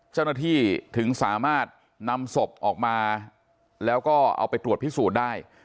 เจ้าหน้าที่ถึงสามารถนำศพออกมาแล้วก็เอาไปตรวจพิสูจน์ได้